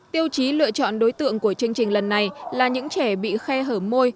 tiêu chí lựa chọn đối tượng của chương trình lần này là những trẻ bị khe hở môi